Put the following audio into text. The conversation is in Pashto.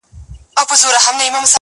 پر سوځېدلو ونو-